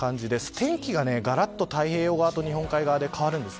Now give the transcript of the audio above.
天気ががらっと太平洋側と日本海側で変わります。